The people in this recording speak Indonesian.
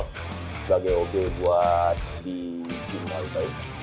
sebagai ob buat si moetai